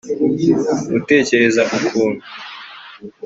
Gutekereza ukuntu